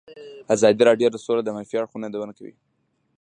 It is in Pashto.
ازادي راډیو د سوله د منفي اړخونو یادونه کړې.